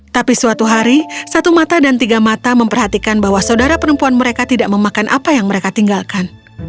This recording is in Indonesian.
tapi suatu hari satu mata dan tiga mata memperhatikan bahwa saudara perempuan mereka tidak memakan apa yang mereka tinggalkan